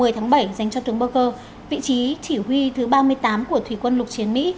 một mươi tháng bảy dành cho tướng burker vị trí chỉ huy thứ ba mươi tám của thủy quân lục chiến mỹ